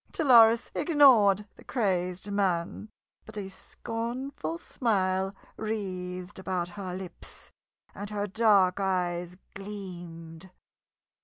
Dolores ignored the crazed man, but a scornful smile wreathed about her lips, and her dark eyes gleamed.